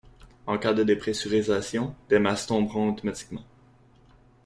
En cas de depressurisation, des masques tomberont automatiquement.